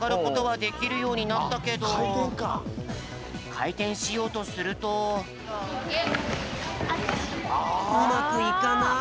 かいてんしようとするとうまくいかない！